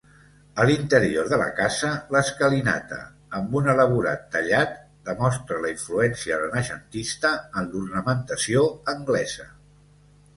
A l'interior de la casa, l'escalinata, amb un elaborat tallat, demostra la influència renaixentista en l'ornamentació anglesa.